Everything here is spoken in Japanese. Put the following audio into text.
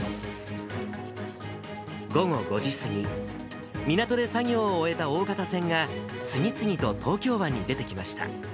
午後５時過ぎ、港で作業を終えた大型船が、次々と東京湾に出てきました。